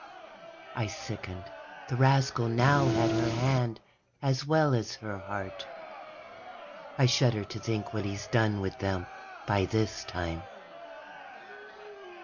_ I sickened. The rascal now had her hand, as well as her heart. I shudder to think what he's done with them, by this time.